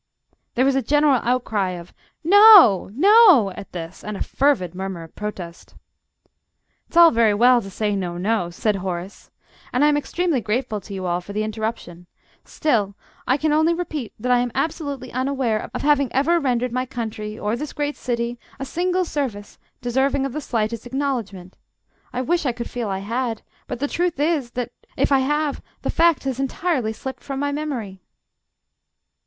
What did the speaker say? There was a general outcry of "No, no!" at this, and a fervid murmur of protest. "It's all very well to say 'No, no,'" said Horace, "and I am extremely grateful to you all for the interruption. Still, I can only repeat that I am absolutely unaware of having ever rendered my Country, or this great City, a single service deserving of the slightest acknowledgment. I wish I could feel I had but the truth is that, if I have, the fact has entirely slipped from my memory."